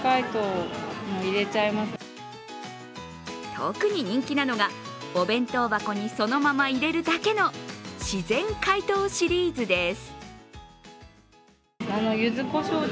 特に人気なのが、お弁当箱にそのまま入れるだけの自然解凍シリーズです。